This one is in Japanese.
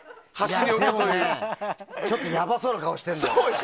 でも、ちょっとやばそうな顔してるのよ。